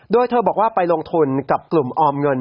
โดยเธอบอกว่าไปลงทุนกับกลุ่มออมเงิน